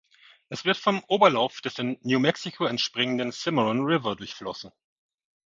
Es wird vom Oberlauf des in New Mexico entspringenden Cimarron River durchflossen.